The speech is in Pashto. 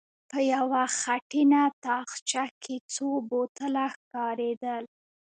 په يوه خټينه تاخچه کې څو بوتله ښکارېدل.